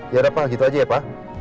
yaudah pak gitu aja ya pak